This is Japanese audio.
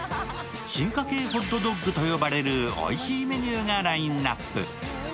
進化系ホットドッグと呼ばれるおいしいメニューがラインナップ。